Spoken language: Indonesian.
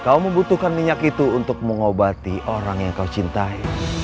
kau membutuhkan minyak itu untuk mengobati orang yang kau cintai